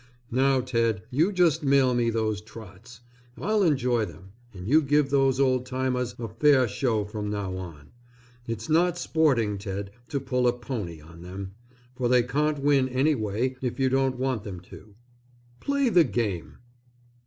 Now Ted you just mail me those "trots." I'll enjoy them, and you give those old timers a fair show from now on. It's not sporting Ted to pull a "pony" on them, for they can't win any way if you don't want them to. Play the game.